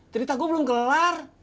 cerita gue belum kelar